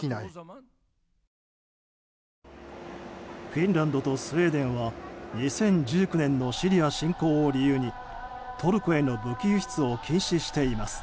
フィンランドとスウェーデンは２０１９年のシリア侵攻を理由にトルコへの武器輸出を禁止しています。